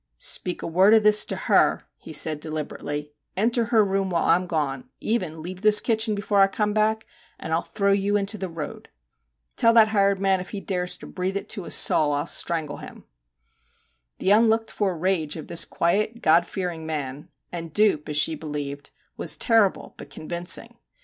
* Speak a word of this to her' he said deliberately ;' enter her room while I 'm gone ; 56 MR. JACK HAMLIN'S MEDIATION even leave the kitchen before I come back, and I '11 throw you into the road. Tell that hired man if he dares to breathe it to a soul I '11 strangle him/ The unlooked for rage of this quiet God fearing man and dupe as she believed was terrible but convincing.